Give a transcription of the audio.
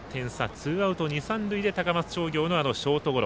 ツーアウト、二、三塁で高松商業の、ショートゴロ。